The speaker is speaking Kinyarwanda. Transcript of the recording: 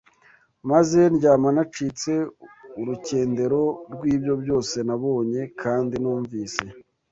maze ndyama nacitse urukendero rw’ibyo byose nabonye kandi numvise